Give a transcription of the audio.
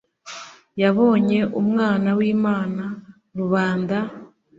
yabonye umwana w'imana, rubanda